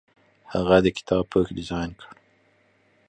هغه د کتاب پوښ ډیزاین کړ.